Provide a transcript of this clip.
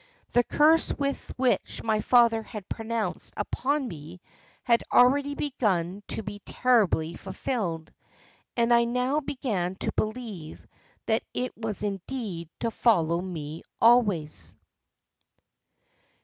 The curse which my father had pronounced upon me had already begun to be terribly fulfilled, and I now began to believe that it was indeed to follow me always."